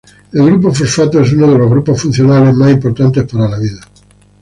El grupo fosfato es uno de los grupos funcionales más importantes para la vida.